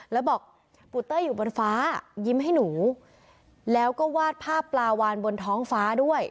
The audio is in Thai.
แล้วบอกปูเต้ยอยู่บนฟ้ายิ้มให้หนูแล้วก็วาดภาพปลาวานบนท้องฟ้าด้วย